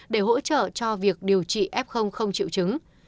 để hỗ trợ cho việc điều trị f không chịu chứng